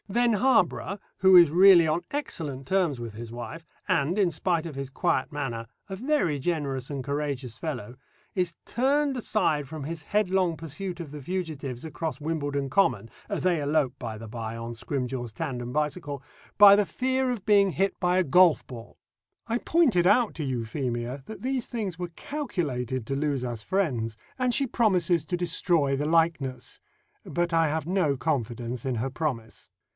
Then Harborough, who is really on excellent terms with his wife, and, in spite of his quiet manner, a very generous and courageous fellow, is turned aside from his headlong pursuit of the fugitives across Wimbledon Common they elope, by the bye, on Scrimgeour's tandem bicycle by the fear of being hit by a golf ball. I pointed out to Euphemia that these things were calculated to lose us friends, and she promises to destroy the likeness; but I have no confidence in her promise.